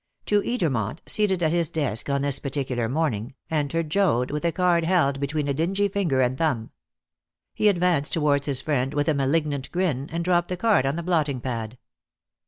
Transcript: To Edermont, seated at his desk on this particular morning, entered Joad, with a card held between a dingy finger and thumb. He advanced towards his friend with a malignant grin, and dropped the card on to the blotting pad.